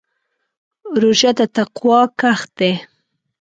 روژه د تقوا کښت دی.